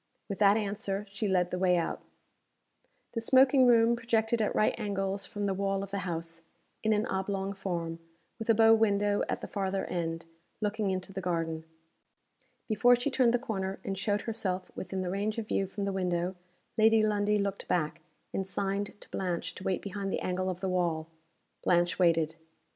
With that answer, she led the way out The smoking room projected at right angles from the wall of the house, in an oblong form with a bow window at the farther end, looking into the garden. Before she turned the corner, and showed herself within the range of view from the window Lady Lundie looked back, and signed to Blanche to wait behind the angle of the wall. Blanche waited.